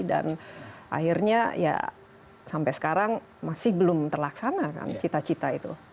dan akhirnya ya sampai sekarang masih belum terlaksana kan cita cita itu